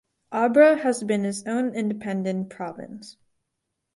Abra has been its own independent province.